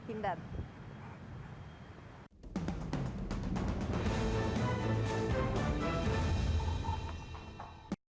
pembuatan senjata pt pindad